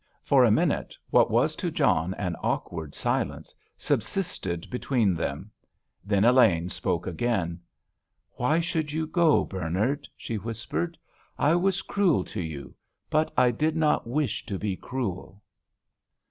For a minute, what was to John an awkward silence, subsisted between them, then Elaine spoke again: "Why should you go, Bernard?" she whispered. "I was cruel to you, but I did not wish to be cruel."